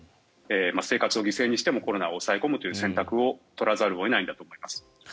生活を犠牲にしてもコロナを抑え込むという選択を取らざるを得ないんだと思います。